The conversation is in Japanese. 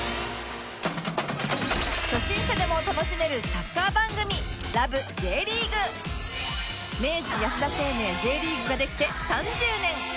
初心者でも楽しめるサッカー番組明治安田生命 Ｊ リーグができて３０年！